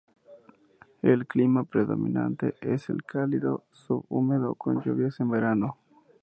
El clima predominante es el cálido-subhúmedo con lluvias en verano.